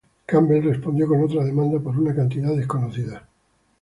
Campbell respondió con otra demanda por un cantidad desconocida.